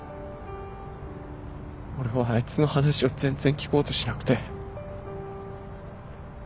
俺はあいつの話を全然聞こうとしなくて。